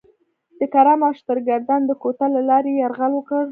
د کرم او شترګردن د کوتل له لارې یې یرغل وکړ.